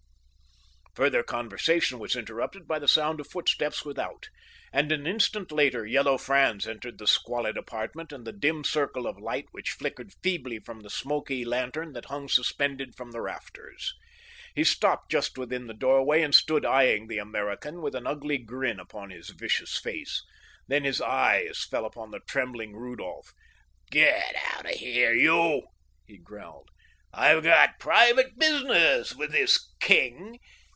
Further conversation was interrupted by the sound of footsteps without, and an instant later Yellow Franz entered the squalid apartment and the dim circle of light which flickered feebly from the smoky lantern that hung suspended from the rafters. He stopped just within the doorway and stood eyeing the American with an ugly grin upon his vicious face. Then his eyes fell upon the trembling Rudolph. "Get out of here, you!" he growled. "I've got private business with this king.